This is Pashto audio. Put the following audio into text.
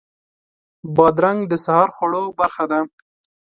بادرنګ د سهار خوړو برخه ده.